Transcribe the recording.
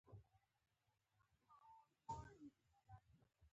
اوبه د جنت نغمه راوړي.